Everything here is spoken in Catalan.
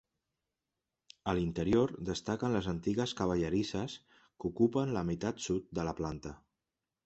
A l'interior, destaquen les antigues cavallerisses, que ocupen la meitat sud de la planta.